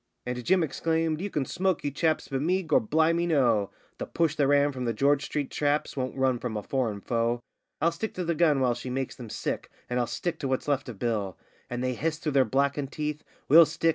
And Jim exclaimed: 'You can smoke, you chaps, but me Gor' bli' me, no! The push that ran from the George street traps won't run from a foreign foe. I'll stick to the gun while she makes them sick, and I'll stick to what's left of Bill.' And they hiss through their blackened teeth: 'We'll stick!